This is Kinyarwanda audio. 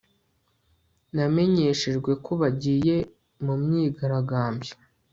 Namenyeshejwe ko bagiye mu myigaragambyo